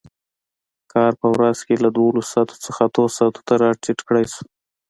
کار په ورځ کې له دولس ساعتو څخه اتو ساعتو ته راټیټ کړای شو.